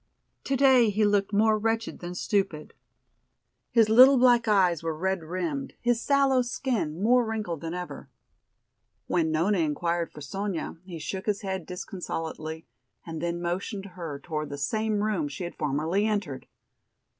Today he looked more wretched than stupid. His little black eyes were red rimmed, his sallow skin more wrinkled than ever. When Nona inquired for Sonya he shook his head disconsolately and then motioned her toward the same room she had formerly entered.